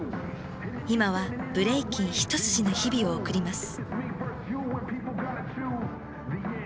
今はブレイキン一筋の日々を送ります。